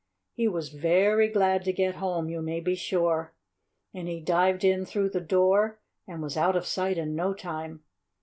He was very glad to get home, you may be sure. And he dived in through the door and was out of sight in no time.